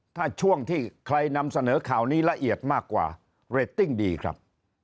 ถ้าช่วงที่ใครนำเสนอข่าวนี้ละเอียดมากกว่าเรตติ้งดีครับ